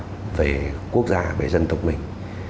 tự hào về quốc gia về dân tộc mình